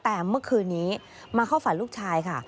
แต่เมื่อคืนนี้มาเข้าฝันลูกชายค่ะ